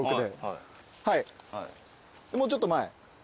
もうちょっと前。